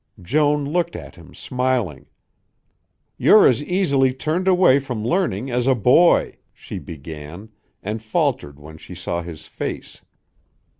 Joan looked at him smiling. "You're as easily turned away from learning as a boy," she began, and faltered when she saw his face.